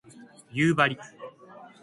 夕張